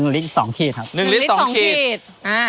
๑ลิตร๒กีฟ๑ลิตร๒กีฟ